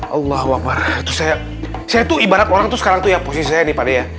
allah wabarakatuh saya itu ibarat orang tuh sekarang tuh ya posisi ini pada